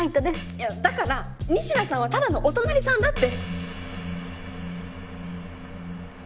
いやだから仁科さんはただのお隣さんだって。